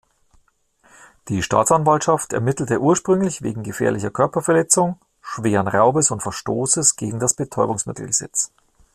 Die Staatsanwaltschaft ermittelte ursprünglich wegen gefährlicher Körperverletzung, schweren Raubes und Verstoßes gegen das Betäubungsmittelgesetz.